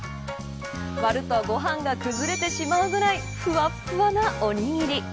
割ると、ご飯が崩れてしまうくらいふわふわなおにぎり。